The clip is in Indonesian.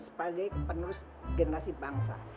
sebagai penerus generasi bangsa